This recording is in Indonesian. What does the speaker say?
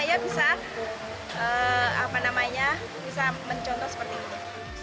saya bisa mencontoh seperti ini